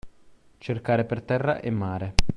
Cercare per terra e mare.